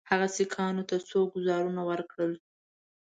هغه سیکهانو ته څو ګوزارونه ورکړل.